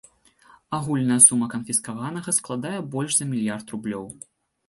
Агульная сума канфіскаванага складае больш за мільярд рублёў.